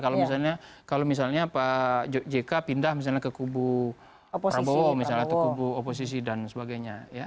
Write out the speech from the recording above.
kalau misalnya jk pindah ke kubu prabowo ke kubu oposisi dan sebagainya